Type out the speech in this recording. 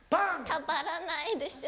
「たまらないでしょ」